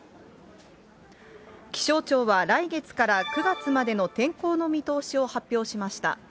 気象庁は来月から９月までの天候の見通しを発表しました。